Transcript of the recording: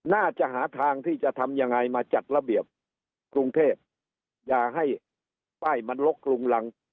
น่าจะหาทางที่จะทำยังไงมาจัดระเบียบกรุงเทพอย่าให้ป้ายมันลกรุงรัง